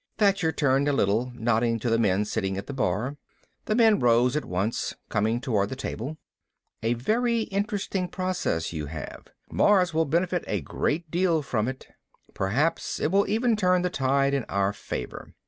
Thacher turned a little, nodding to the men sitting at the bar. The men rose at once, coming toward the table. "A very interesting process you have. Mars will benefit a great deal from it. Perhaps it will even turn the tide in our favor.